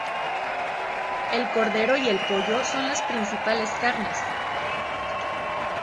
El cordero y el pollo son las principales carnes.